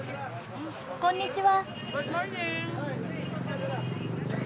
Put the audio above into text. こんにちは。